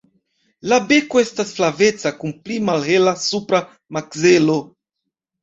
La beko estas flaveca kun pli malhela supra makzelo.